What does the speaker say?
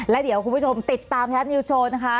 แล้วเดี๋ยวคุณผู้ชมติดตามไทยรัฐนิวโชว์นะคะ